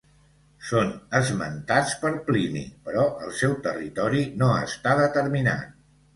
Són esmentats per Plini, però el seu territori no està determinat.